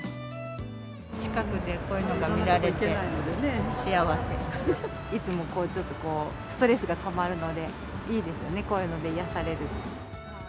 近くでこういうのが見られて、いつもちょっとストレスがたまるので、いいですよね、こういうので癒やされる。